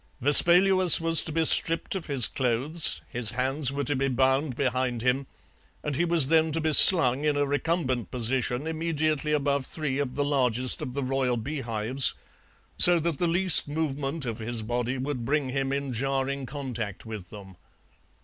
Vespaluus was to be stripped of his clothes, his hands were to be bound behind him, and he was then to be slung in a recumbent position immediately above three of the largest of the royal beehives, so that the least movement of his body would bring him in jarring contact with them.